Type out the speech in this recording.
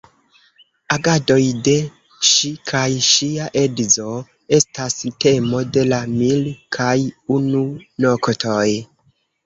Agadoj de ŝi kaj ŝia edzo estas temo de la "Mil kaj unu noktoj".